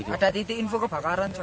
ada titik info kebakaran